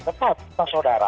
tetap kita saudara